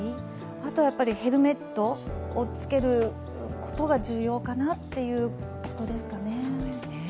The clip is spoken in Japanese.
あとはヘルメットを着けるのが重要かなということですよね。